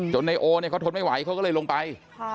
จนไนโอเขาทดไม่ไหวเขาก็เลยลงไป